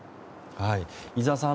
井澤さん